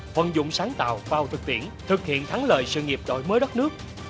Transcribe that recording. phần dụng sáng tạo vào thực tiễn thực hiện thắng lợi sự nghiệp đổi mới đất nước